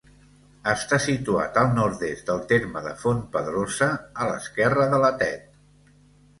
Està situat al nord-est del terme de Fontpedrosa, a l'esquerra de la Tet.